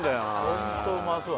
ホントうまそうだ